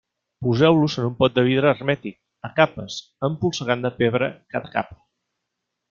Poseu-los en un pot de vidre hermètic, a capes, empolsegant de pebre cada capa.